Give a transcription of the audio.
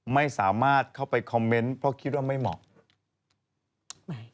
ไม่สามารถเข้าไปคอมเมนต์เพราะคิดว่าไม่เหมาะ